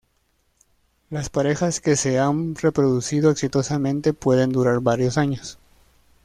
Las parejas que se han reproducido exitosamente pueden durar varios años.